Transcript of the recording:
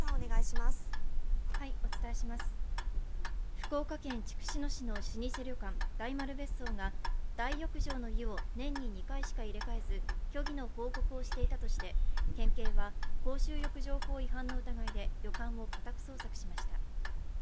福岡県筑紫野市の老舗旅館・大丸別荘が大浴場の湯を年に２回しか入れ替えず虚偽の報告をしていたとして、県警は公衆浴場法違反の疑いで旅館を家宅捜索しました。